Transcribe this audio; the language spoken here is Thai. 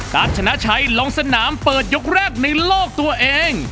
ชนะชัยลงสนามเปิดยกแรกในโลกตัวเอง